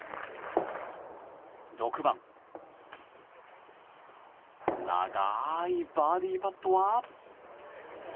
６番長いバーディーパットは。